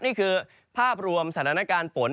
นี่คือภาพรวมสถานการณ์ฝน